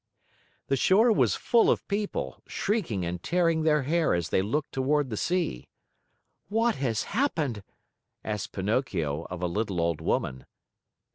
The shore was full of people, shrieking and tearing their hair as they looked toward the sea. "What has happened?" asked Pinocchio of a little old woman.